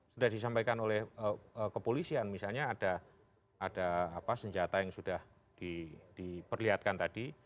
sudah disampaikan oleh kepolisian misalnya ada senjata yang sudah diperlihatkan tadi